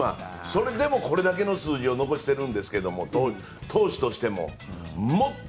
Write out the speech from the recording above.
それでもこれだけの数字を残していますが当時としても。